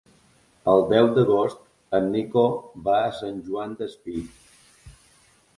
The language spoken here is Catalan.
El deu d'agost en Nico va a Sant Joan Despí.